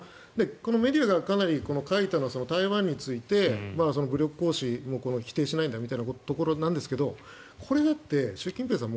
メディアがかなり書いていますが台湾について、武力行使を否定しないんだみたいなところなんですけどこれだって、習近平さん